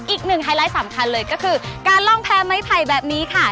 ไฮไลท์สำคัญเลยก็คือการล่องแพ้ไม้ไผ่แบบนี้ค่ะ